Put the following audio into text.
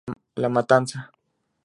La Matanza.